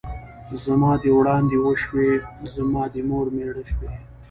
ـ زما دې وړاندې وشوې ، زما دې مور مېړه شوې.